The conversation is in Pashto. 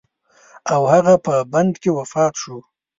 او هغه په بند کې وفات شو.